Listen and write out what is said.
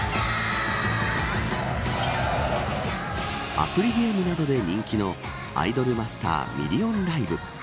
アプリゲームなどで人気のアイドルマスターミリオンライブ。